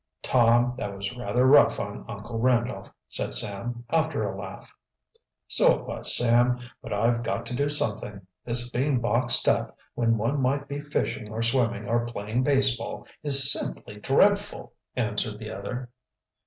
"Tom, that was rather rough on Uncle Randolph," said Sam, after a laugh. "So it was, Sam. But I've got to do something. This being boxed up, when one might be fishing or swimming, or playing baseball, is simply dreadful," answered the other.